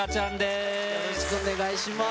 よろしくお願いします。